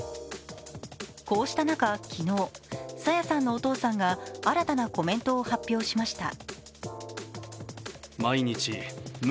こうした中、昨日、朝芽さんのお父さんが新たなコメントを発表しました。